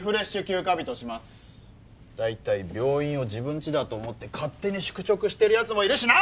大体病院を自分ちだと思って勝手に宿直してる奴もいるしな！！